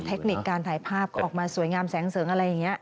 เทคนิคการถ่ายภาพก็ออกมาสวยงามแสงเสริงอะไรอย่างนี้